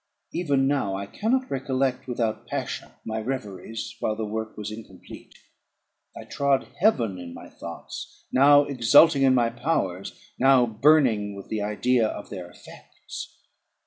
Even now I cannot recollect, without passion, my reveries while the work was incomplete. I trod heaven in my thoughts, now exulting in my powers, now burning with the idea of their effects.